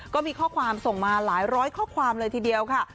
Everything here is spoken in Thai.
ก็มีข้อความส่งมาหลายร้อยข้อความเลยทีเดียวค่ะ